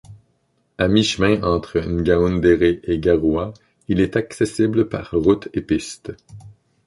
À mi-chemin entre Ngaoundéré et Garoua, il est accessible par route et piste.